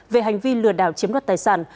về hành vi lừa đảo chiếm đoạt tài sản